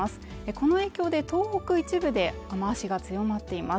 この影響で東北一部で雨脚が強まっています